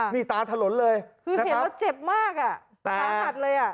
นี่ตาถลนเลยคือเห็นแล้วเจ็บมากอ่ะสาหัสเลยอ่ะ